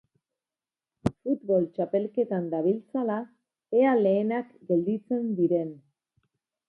Futbol txapelketan dabiltzala, ea lehenak gelditzen diren.